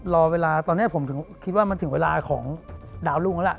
รอเวลาตอนนี้ผมถึงคิดว่ามันถึงเวลาของดาวรุ่งแล้วล่ะ